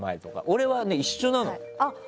俺は一緒なの。